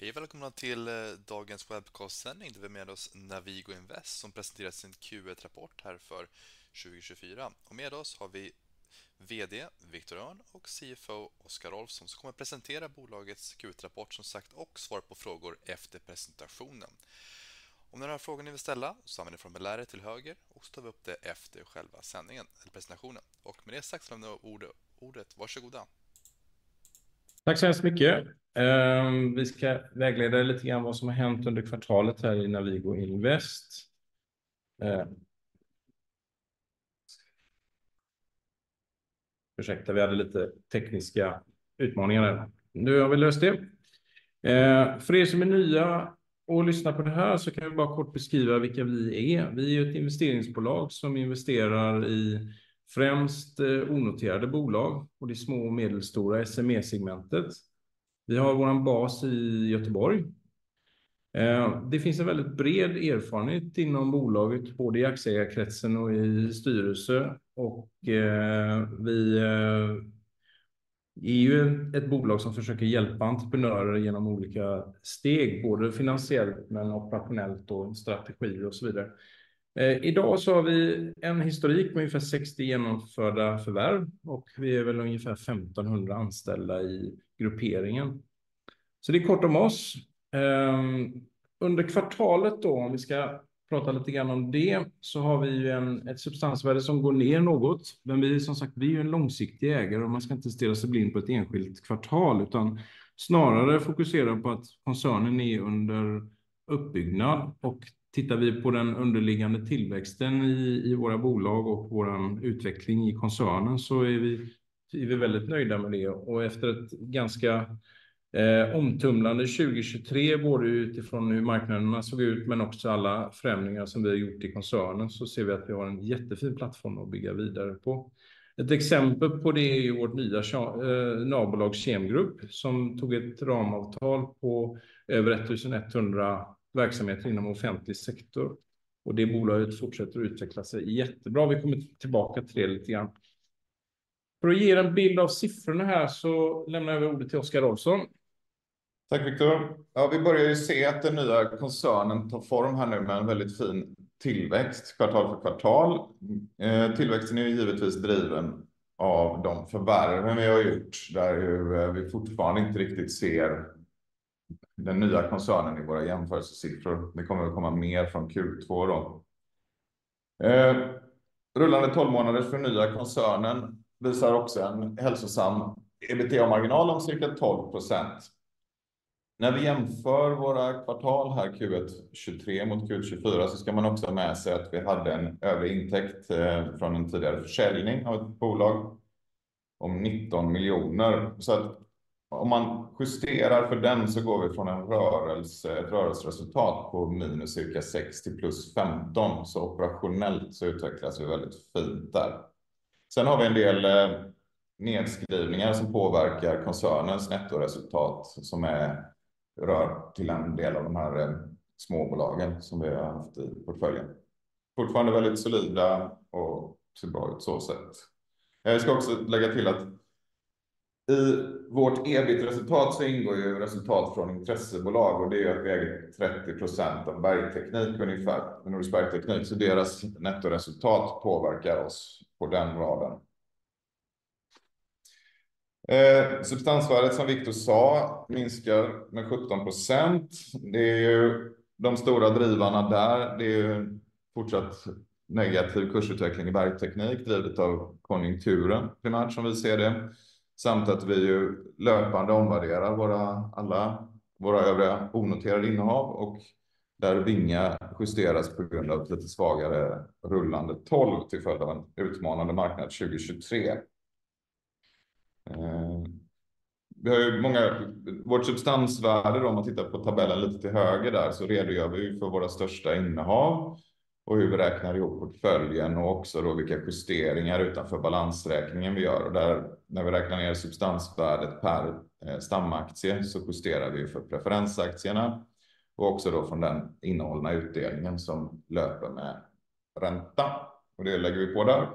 Hej och välkomna till dagens webbcastsändning. Vi har med oss Navigo Invest som presenterat sin Q1-rapport här för 2024. Med oss har vi VD Victor Öhrn och CFO Oscar Rolf, som ska presentera bolagets Q1-rapport som sagt och svara på frågor efter presentationen. Om ni har några frågor ni vill ställa så använder ni formuläret till höger och så tar vi upp det efter själva sändningen eller presentationen. Med det sagt så lämnar jag ordet till er. Varsågoda. Tack så hemskt mycket. Vi ska vägleda lite grann vad som har hänt under kvartalet här i Navigo Invest. Ursäkta, vi hade lite tekniska utmaningar där. Nu har vi löst det. För som är nya och lyssnar på det här så kan vi bara kort beskriva vilka vi är. Vi är ett investeringsbolag som investerar i främst onoterade bolag och det små och medelstora SME-segmentet. Vi har vår bas i Göteborg. Det finns en väldigt bred erfarenhet inom bolaget, både i aktieägarkretsen och i styrelse. Vi är ju ett bolag som försöker hjälpa entreprenörer genom olika steg, både finansiellt men operationellt och strategier och så vidare. Idag så har vi en historik med ungefär 60 genomförda förvärv och vi är väl ungefär 1 500 anställda i grupperingen. Så det är kort om oss. Under kvartalet, om vi ska prata lite grann om det, så har vi ju ett substansvärde som går ner något. Men vi är som sagt en långsiktig ägare och man ska inte stirra sig blind på ett enskilt kvartal utan snarare fokusera på att koncernen är under uppbyggnad. Tittar vi på den underliggande tillväxten i våra bolag och vår utveckling i koncernen så är vi väldigt nöjda med det. Efter ett ganska omtumlande 2023, både utifrån hur marknaderna såg ut men också alla förändringar som vi har gjort i koncernen, så ser vi att vi har en jättefin plattform att bygga vidare på. Ett exempel på det är ju vårt nya dotterbolag, Kemgrupp, som tog ett ramavtal på över 1,100 verksamheter inom offentlig sektor. Det bolaget fortsätter att utveckla sig jättebra. Vi kommer tillbaka till det lite grann. För att ge en bild av siffrorna här så lämnar jag över ordet till Oscar Rolfsson. Tack, Victor. Vi börjar ju se att den nya koncernen tar form här nu med en väldigt fin tillväxt kvartal för kvartal. Tillväxten är ju givetvis driven av de förvärven vi har gjort. Där är ju vi fortfarande inte riktigt ser den nya koncernen i våra jämförelsesiffror. Det kommer att komma mer från Q2 då. Rullande tolvmånaders för nya koncernen visar också en hälsosam EBITDA-marginal om cirka 12%. När vi jämför våra kvartal här Q1-23 mot Q2-24 så ska man också ha med sig att vi hade en övrig intäkt från en tidigare försäljning av ett bolag om 19 miljoner. Om man justerar för den så går vi från ett rörelseresultat på minus cirka 6 till plus 15. Operationellt så utvecklas vi väldigt fint där. Sen har vi en del nedskrivningar som påverkar koncernens nettoresultat som rör till en del av de här småbolagen som vi har haft i portföljen. Fortfarande väldigt solida och ser bra ut så sätt. Jag ska också lägga till att i vårt EBIT-resultat så ingår ju resultat från intressebolag och det är ju att vi äger 30% av Bergteknik ungefär, Nordisk Bergteknik. Så deras nettoresultat påverkar oss på den raden. Substansvärdet, som Victor sa, minskar med 17%. Det är ju de stora drivarna där. Det är ju fortsatt negativ kursutveckling i Bergteknik drivet av konjunkturen primärt som vi ser det. Samt att vi ju löpande omvärderar våra alla våra övriga onoterade innehav och där vinga justeras på grund av ett lite svagare rullande tolv till följd av en utmanande marknad 2023. Vi har ju många vårt substansvärde då, om man tittar på tabellen lite till höger där så redogör vi ju för våra största innehav och hur vi räknar ihop portföljen och också då vilka justeringar utanför balansräkningen vi gör. Där när vi räknar ner substansvärdet per stamaktie så justerar vi ju för preferensaktierna och också då från den innehållna utdelningen som löper med ränta. Det lägger vi på där.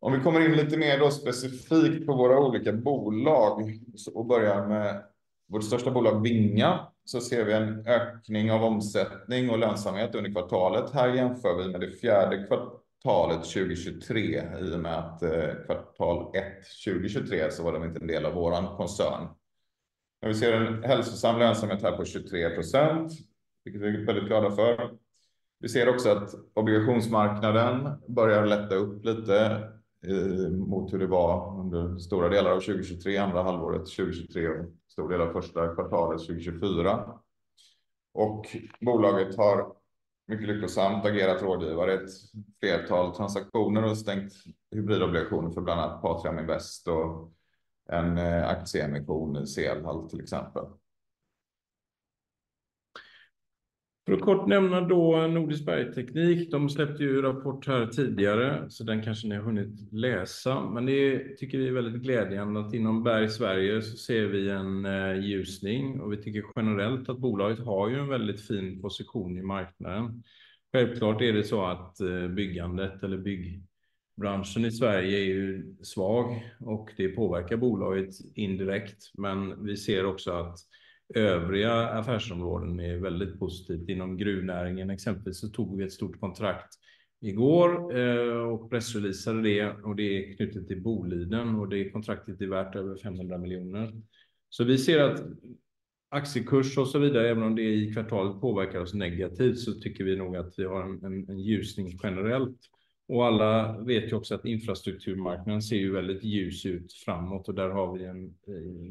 Om vi kommer in lite mer då specifikt på våra olika bolag och börjar med vårt största bolag, Vinga, så ser vi en ökning av omsättning och lönsamhet under kvartalet. Här jämför vi med det fjärde kvartalet 2023 i och med att kvartal ett 2023 så var de inte en del av vår koncern. Men vi ser en hälsosam lönsamhet här på 23%, vilket vi är väldigt glada för. Vi ser också att obligationsmarknaden börjar lätta upp lite mot hur det var under stora delar av 2023, andra halvåret 2023 och stor del av första kvartalet 2024. Bolaget har mycket lyckosamt agerat rådgivare. Ett flertal transaktioner och stängt hybridobligationer för bland annat Patrium Invest och en aktieemission i Selhall till exempel. För att kort nämna Nordisk Bergteknik. De släppte ju rapport här tidigare så den kanske ni har hunnit läsa. Men det tycker vi är väldigt glädjande att inom Berg Sverige så ser vi en ljusning och vi tycker generellt att bolaget har ju en väldigt fin position i marknaden. Självklart är det så att byggandet eller byggbranschen i Sverige är ju svag och det påverkar bolaget indirekt. Men vi ser också att övriga affärsområden är väldigt positivt. Inom gruvnäringen exempelvis så tog vi ett stort kontrakt igår och pressreleasade det och det är knutet till Boliden och det kontraktet är värt över 500 miljoner. Så vi ser att aktiekurs och så vidare, även om det i kvartalet påverkar oss negativt, så tycker vi nog att vi har en ljusning generellt. Och alla vet ju också att infrastrukturmarknaden ser ju väldigt ljus ut framåt och där har vi en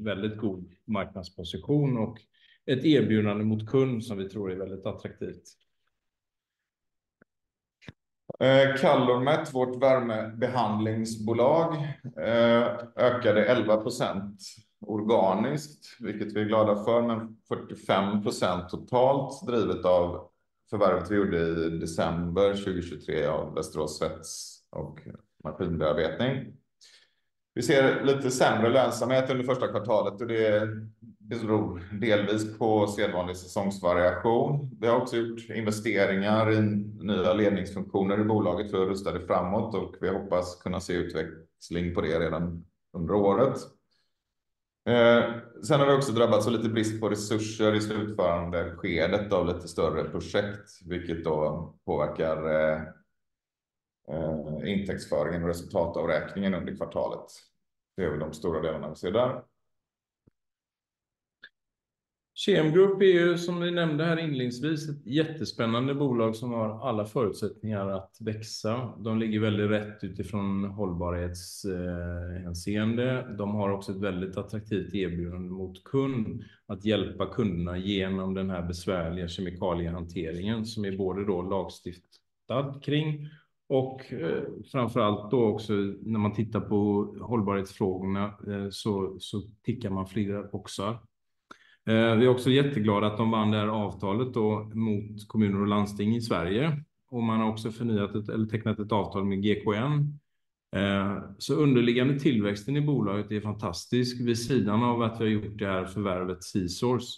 väldigt god marknadsposition och ett erbjudande mot kund som vi tror är väldigt attraktivt. Callumet, vårt värmebehandlingsbolag, ökade 11% organiskt, vilket vi är glada för, men 45% totalt drivet av förvärvet vi gjorde i december 2023 av Västerås Svets och Maskinbearbetning. Vi ser lite sämre lönsamhet under första kvartalet och det beror delvis på sedvanlig säsongsvariation. Vi har också gjort investeringar i nya ledningsfunktioner i bolaget för att rusta det framåt och vi hoppas kunna se utveckling på det redan under året. Sen har vi också drabbats av lite brist på resurser i slutförandeskedet av lite större projekt, vilket då påverkar intäktsföringen och resultatavräkningen under kvartalet. Det är de stora delarna vi ser där. Kemgrupp är ju, som vi nämnde här inledningsvis, ett jättespännande bolag som har alla förutsättningar att växa. De ligger väldigt rätt utifrån hållbarhetshänseende. De har också ett väldigt attraktivt erbjudande mot kund att hjälpa kunderna genom den här besvärliga kemikaliehanteringen som är både lagstiftad kring och framför allt när man tittar på hållbarhetsfrågorna så tickar man flera boxar. Vi är också jätteglada att de vann det här avtalet mot kommuner och landsting i Sverige och man har också förnyat ett eller tecknat ett avtal med GKN. Så underliggande tillväxten i bolaget är fantastisk vid sidan av att vi har gjort det här förvärvet C-Source.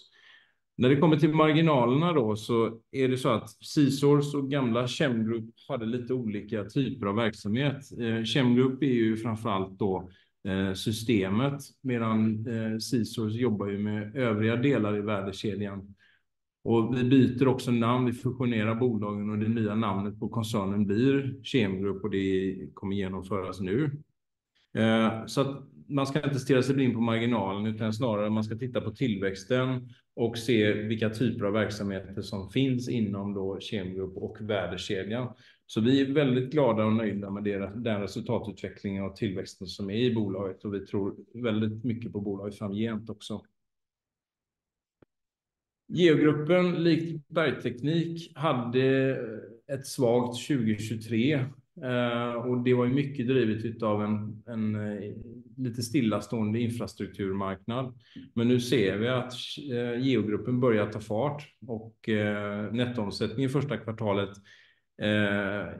När det kommer till marginalerna så är det så att C-Source och gamla Kemgrupp hade lite olika typer av verksamhet. Kemgrupp är ju framför allt systemet, medan C-Source jobbar ju med övriga delar i värdekedjan. Vi byter också namn, vi fusionerar bolagen och det nya namnet på koncernen blir Kemgrupp och det kommer genomföras nu. Så man ska inte stirra sig blind på marginalen utan snarare man ska titta på tillväxten och se vilka typer av verksamheter som finns inom då Kemgrupp och värdekedjan. Vi är väldigt glada och nöjda med den resultatutvecklingen och tillväxten som är i bolaget och vi tror väldigt mycket på bolaget framgent också. Geogruppen, likt Bergteknik, hade ett svagt 2023 och det var ju mycket drivet av en lite stillastående infrastrukturmarknad. Men nu ser vi att Geogruppen börjar ta fart och nettoomsättningen första kvartalet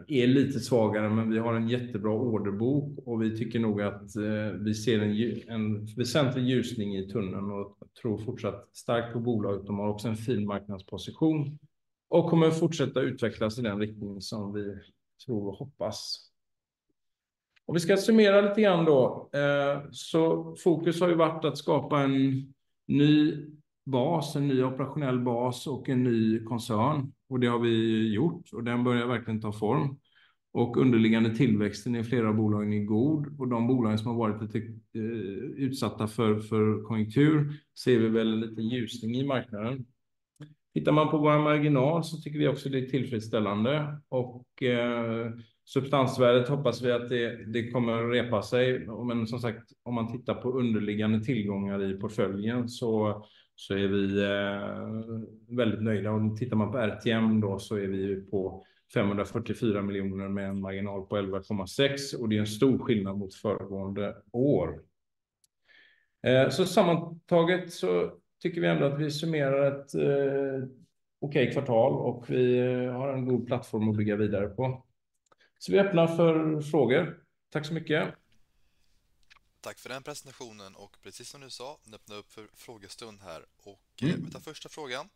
är lite svagare, men vi har en jättebra orderbok och vi tycker nog att vi ser en väsentlig ljusning i tunneln och tror fortsatt starkt på bolaget. De har också en fin marknadsposition och kommer fortsätta utvecklas i den riktning som vi tror och hoppas. Om vi ska summera lite grann då så fokus har ju varit att skapa en ny bas, en ny operationell bas och en ny koncern. Det har vi ju gjort och den börjar verkligen ta form. Underliggande tillväxten i flera av bolagen är god och de bolagen som har varit lite utsatta för konjunktur ser vi väl en liten ljusning i marknaden. Tittar man på vår marginal så tycker vi också att det är tillfredsställande och substansvärdet hoppas vi att det kommer att repa sig. Men som sagt, om man tittar på underliggande tillgångar i portföljen så är vi väldigt nöjda. Tittar man på RTM då så är vi ju på 544 miljoner med en marginal på 11,6% och det är ju en stor skillnad mot föregående år. Så sammantaget så tycker vi ändå att vi summerar ett okej kvartal och vi har en god plattform att bygga vidare på. Så vi öppnar för frågor. Tack så mycket! Tack för den presentationen och precis som du sa, ni öppnar upp för frågestund här. Vi tar första frågan.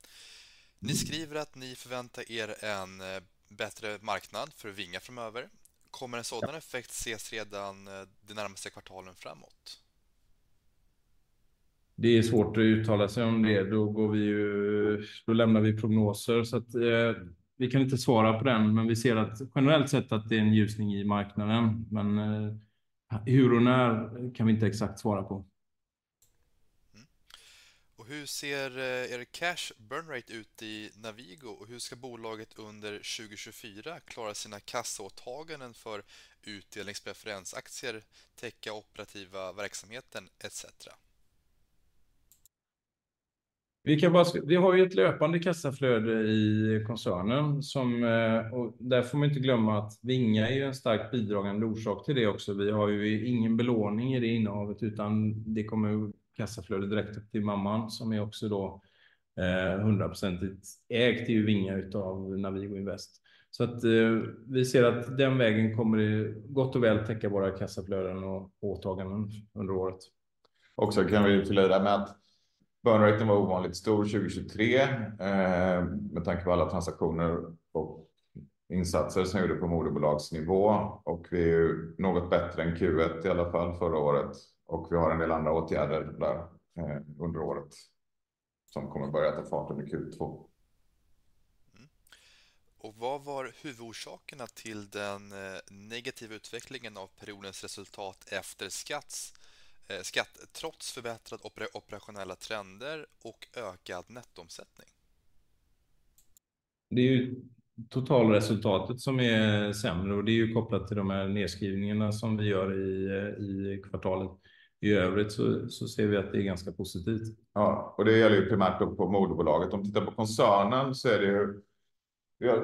Ni skriver att ni förväntar en bättre marknad för Vinga framöver. Kommer en sådan effekt ses redan det närmaste kvartalen framåt? Det är svårt att uttala sig om det. Då går vi ju, då lämnar vi prognoser. Så vi kan inte svara på den, men vi ser att generellt sett att det är en ljusning i marknaden. Men hur och när kan vi inte exakt svara på. Hur ser cash burn rate ut i Navigo och hur ska bolaget under 2024 klara sina kassaåtaganden för utdelningspreferensaktier, täcka operativa verksamheten etcetera? Vi kan bara, vi har ju ett löpande kassaflöde i koncernen som, och där får man ju inte glömma att Vinga är ju en starkt bidragande orsak till det också. Vi har ju ingen belåning i det innehavet utan det kommer kassaflöde direkt upp till mamman som är också då 100% ägt i Vinga av Navigo Invest. Så vi ser att den vägen kommer det gott och väl täcka våra kassaflöden och åtaganden under året. Också kan vi ju tillägga där med att burn raten var ovanligt stor 2023, med tanke på alla transaktioner och insatser som gjordes på moderbolagsnivå. Vi är ju något bättre än Q1 i alla fall förra året och vi har en del andra åtgärder där, under året som kommer börja ta fart under Q2. Och vad var huvudorsakerna till den negativa utvecklingen av periodens resultat efter skatt, trots förbättrade operationella trender och ökad nettoomsättning? Det är ju totalresultatet som är sämre och det är ju kopplat till de här nedskrivningarna som vi gör i kvartalet. I övrigt så ser vi att det är ganska positivt. Ja, och det gäller ju primärt då på moderbolaget. Om vi tittar på koncernen så är det ju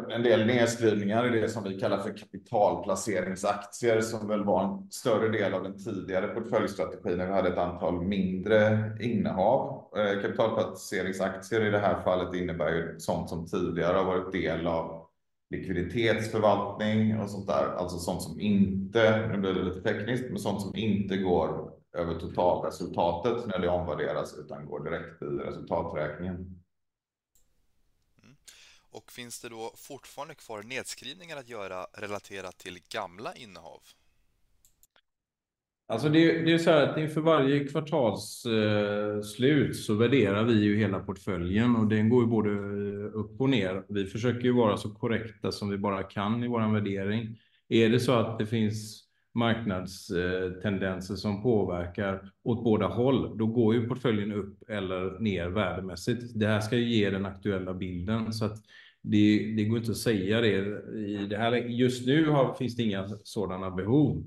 en del nedskrivningar i det som vi kallar för kapitalplaceringsaktier som väl var en större del av den tidigare portföljstrategin när vi hade ett antal mindre innehav. Kapitalplaceringsaktier i det här fallet innebär ju sånt som tidigare har varit del av likviditetsförvaltning och sånt där. Alltså sånt som inte, nu blir det lite tekniskt, men sånt som inte går över totalresultatet när det omvärderas utan går direkt i resultaträkningen. Och finns det då fortfarande kvar nedskrivningar att göra relaterat till gamla innehav? Alltså, det är ju så här att inför varje kvartalsslut så värderar vi ju hela portföljen och den går ju både upp och ner. Vi försöker ju vara så korrekta som vi bara kan i vår värdering. Är det så att det finns marknadstendenser som påverkar åt båda håll, då går ju portföljen upp eller ner värdemässigt. Det här ska ju ge den aktuella bilden så att det går inte att säga det. I det här, just nu finns det inga sådana behov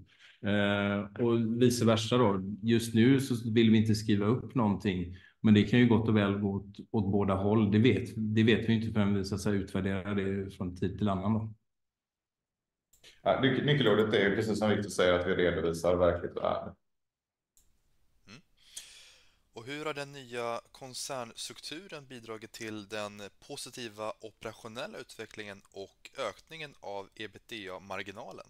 och vice versa då. Just nu så vill vi inte skriva upp någonting, men det kan ju gott och väl gå åt båda håll. Det vet vi ju inte förrän vi så att säga utvärderar det från tid till annan då. Nyckelordet är ju, precis som Victor säger, att vi redovisar verkligt värde. Och hur har den nya koncernstrukturen bidragit till den positiva operationella utvecklingen och ökningen av EBITDA-marginalen?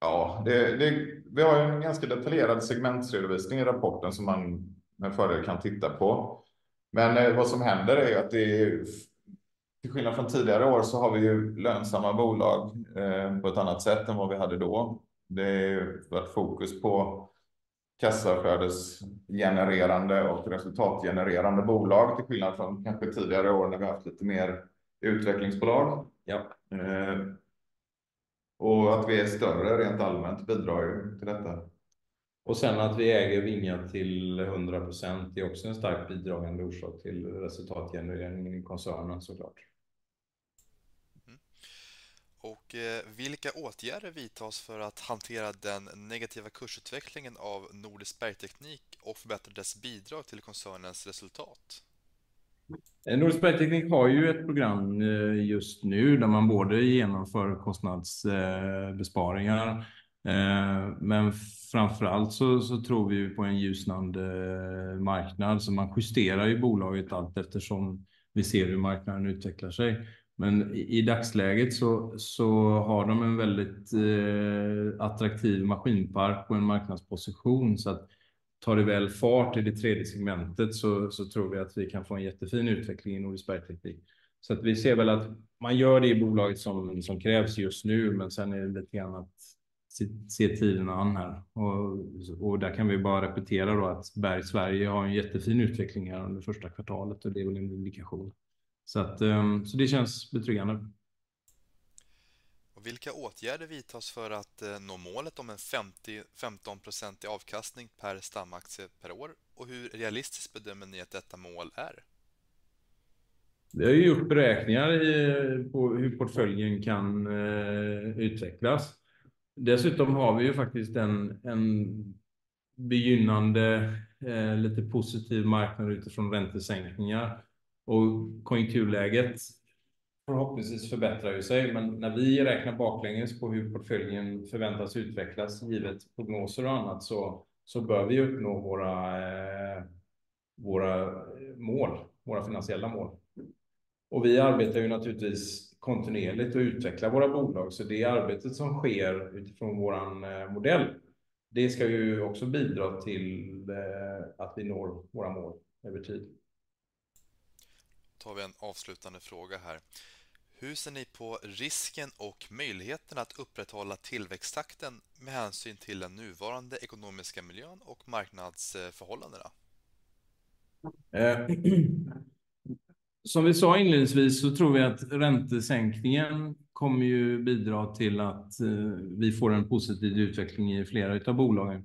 Ja, det, det. Vi har ju en ganska detaljerad segmentredovisning i rapporten som man med fördel kan titta på. Men vad som händer är ju att det är, till skillnad från tidigare år, så har vi ju lönsamma bolag på ett annat sätt än vad vi hade då. Det har varit fokus på kassaflödesgenererande och resultatgenererande bolag, till skillnad från kanske tidigare år när vi haft lite mer utvecklingsbolag. Ja, och att vi är större rent allmänt bidrar ju till detta. Och sen att vi äger Vinga till 100% är också en starkt bidragande orsak till resultatgenereringen i koncernen såklart. Och vilka åtgärder vidtas för att hantera den negativa kursutvecklingen av Nordisk Bergteknik och förbättra dess bidrag till koncernens resultat? Nordisk Bergteknik har ju ett program just nu där man både genomför kostnadsbesparingar, men framför allt så tror vi ju på en ljusnande marknad så man justerar ju bolaget allteftersom vi ser hur marknaden utvecklar sig. Men i dagsläget så har de en väldigt attraktiv maskinpark och en marknadsposition. Tar det väl fart i det tredje segmentet så tror vi att vi kan få en jättefin utveckling i Nordisk Bergteknik. Vi ser väl att man gör det i bolaget som krävs just nu, men sen är det lite grann att se tiderna an här. Där kan vi ju bara repetera då att Berg Sverige har en jättefin utveckling här under första kvartalet och det är väl en indikation. Det känns betryggande. Och vilka åtgärder vidtas för att nå målet om en 15% avkastning per stamaktie per år? Och hur realistiskt bedömer ni att detta mål är? Vi har ju gjort beräkningar på hur portföljen kan utvecklas. Dessutom har vi ju faktiskt en begynnande, lite positiv marknad utifrån räntesänkningar och konjunkturläget förhoppningsvis förbättrar sig. Men när vi räknar baklänges på hur portföljen förväntas utvecklas, givet prognoser och annat, så bör vi ju uppnå våra finansiella mål. Vi arbetar ju naturligtvis kontinuerligt och utvecklar våra bolag, så det arbetet som sker utifrån vår modell, det ska ju också bidra till att vi når våra mål över tid. Då tar vi en avslutande fråga här. Hur ser ni på risken och möjligheterna att upprätthålla tillväxttakten med hänsyn till den nuvarande ekonomiska miljön och marknadsförhållandena? Som vi sa inledningsvis så tror vi att räntesänkningen kommer ju bidra till att vi får en positiv utveckling i flera av bolagen.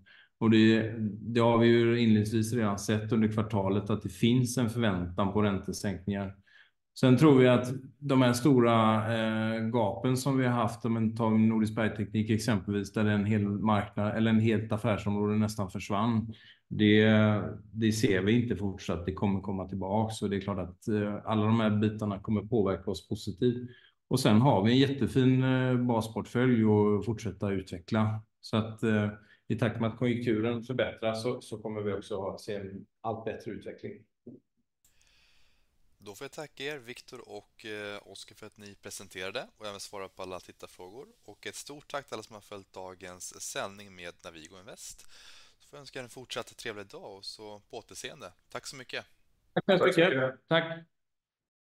Det har vi ju inledningsvis redan sett under kvartalet, att det finns en förväntan på räntesänkningar. Sen tror vi att de här stora gapen som vi har haft om vi tar Nordisk Bergteknik exempelvis, där en hel marknad eller ett helt affärsområde nästan försvann. Det ser vi inte fortsatt. Det kommer komma tillbaka och det är klart att alla de här bitarna kommer påverka oss positivt. Sen har vi en jättefin basportfölj att fortsätta utveckla. I takt med att konjunkturen förbättras så kommer vi också att se en allt bättre utveckling. Då får jag tacka Victor och Oscar för att ni presenterade och även svarade på alla tittarfrågor. Ett stort tack till alla som har följt dagens sändning med Navigo Invest. Så får jag önska en fortsatt trevlig dag och så på återseende. Tack så mycket! Tack så mycket! Tack!